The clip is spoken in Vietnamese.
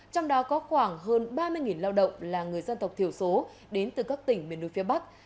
trong đó có khoảng hơn ba mươi lao động là người dân tộc thiểu số đến từ các tỉnh miền núi phía bắc